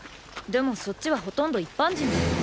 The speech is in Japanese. でもそっちはほとんど一般人だろう？